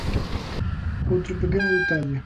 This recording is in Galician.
Outro pequeno detalle.